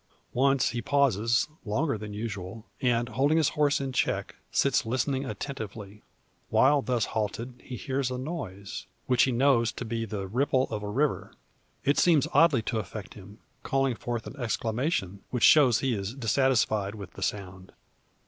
Once he pauses, longer than usual; and, holding his horse in check, sits listening attentively. While thus halted, he hears a noise, which he knows to be the ripple of a river. It seems oddly to affect him, calling forth an exclamation, which shows he is dissatisfied with the sound.